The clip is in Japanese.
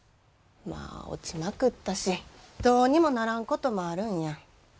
まあ落ちまくったしどうにもならんこともあるんや。